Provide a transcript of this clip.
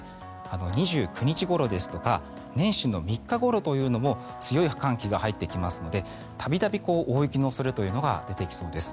２９日ごろですとか年始の３日ごろというのも強い寒気が入ってきますので度々、大雪の恐れというのが出てきそうです。